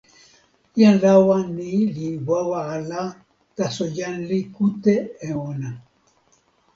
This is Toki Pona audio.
jan lawa ni li wawa ala, taso jan li kute e ona.